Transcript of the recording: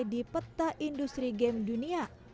di peta industri game dunia